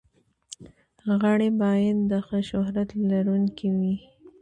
غړي باید د ښه شهرت لرونکي وي.